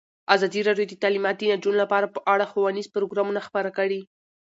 ازادي راډیو د تعلیمات د نجونو لپاره په اړه ښوونیز پروګرامونه خپاره کړي.